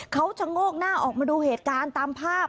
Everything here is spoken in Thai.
เขาชะโงกหน้าออกมาดูเหตุการณ์ตามภาพ